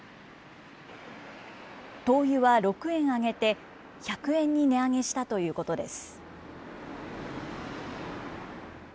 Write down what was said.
灯油は６円上げて１００円に値上げしたということです。